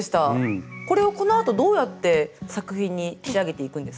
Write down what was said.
これをこのあとどうやって作品に仕上げていくんですか？